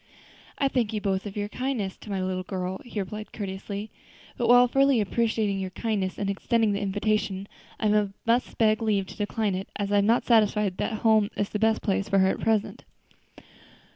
"I thank you both for your kind attention to my little girl," he replied courteously, "but while fully appreciating your kindness in extending the invitation, I must beg leave to decline it, as I am satisfied that home is the best place for her at present."